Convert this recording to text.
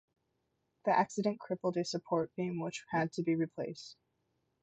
The accident crippled a support beam, which had to be replaced.